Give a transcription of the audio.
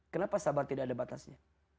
kenapa sabar tidak ada batasnya